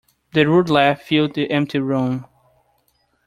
The rude laugh filled the empty room.